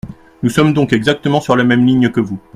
Nous sommes donc exactement sur la même ligne que vous.